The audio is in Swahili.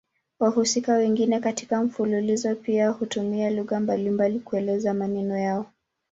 Wahusika wengine katika mfululizo pia hutumia lugha mbalimbali kuelezea maneno yao.